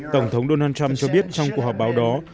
tổng thống donald trump cho biết trong cuộc họp báo đó